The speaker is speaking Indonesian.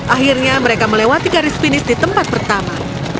akhirnya mereka melewati garis finish di tempat pertama